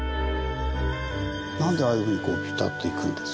何でああいうふうにピタッといくんですか？